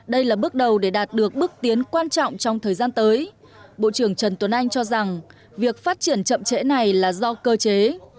đây là bước đầu để đạt được bước tiến quan trọng trong thời gian tới bộ trưởng trần tuấn anh cho rằng việc phát triển chậm trễ này là do cơ chế